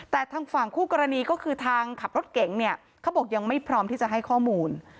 แต่ทางฝั่งคู่กรณีก็คือทางขับรถเก๋งเนี่ยเขาบอกยังไม่พร้อมที่จะให้ข้อมูล